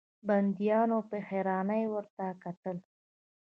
بنديانو په حيرانۍ ورته کتل.